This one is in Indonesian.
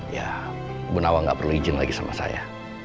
ya bunawang gak perlu izin lagi sama saya